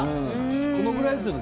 これぐらいですよね。